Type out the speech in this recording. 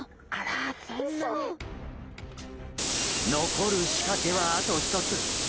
残る仕掛けはあと１つ。